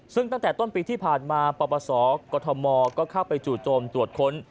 ซึ่งตั้งแต่ต้นปีที่ผ่านมาปปศกรทมก็เข้าไปจู่โจมตรวจค้น